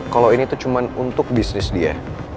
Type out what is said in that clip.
kalo ini tuh cuman untuk bisnis dia